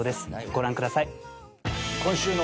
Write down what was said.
ご覧ください。